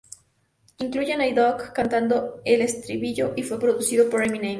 Incluye a Nate Dogg cantando el estribillo y fue producido por Eminem.